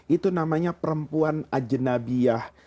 itu namanya perempuan ajenabiah